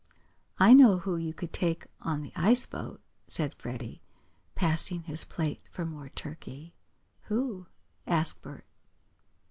"I know who you could take on the ice boat," said Freddie, passing his plate for more turkey. "Who?" asked Bert.